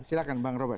silahkan bang robert